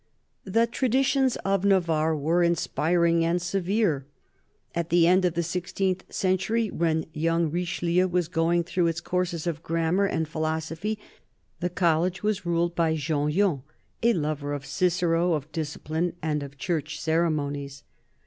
The traditions of " Navarre " were inspiring and severe. At the end of the sixteenth century, when young Richelieu was going through its courses of "grammar" and "philo sophy," the college was ruled by Jean Yon, a lover of Cicero, of discipline, and of Church ceremonies.